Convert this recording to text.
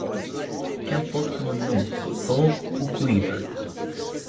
Qu'importe mon nom, or ou cuivre